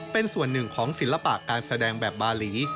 เป็นส่วนหนึ่งของศิลปะการแสดงแบบบาหลี